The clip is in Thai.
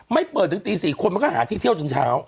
ไม่เปิดถึงตี๔คนมันก็หาที่เที่ยวจนเช้า